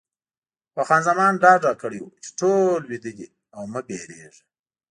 خو خان زمان ډاډ راکړی و چې ټول ویده دي او مه وېرېږه.